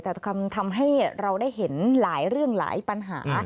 แต่ทำให้เราได้เห็นหลายเรื่องหลายปัญหา